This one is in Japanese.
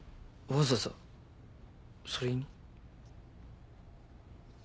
わざわざそれ言いに？